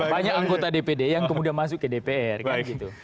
banyak anggota dpd yang kemudian masuk ke dpr kan gitu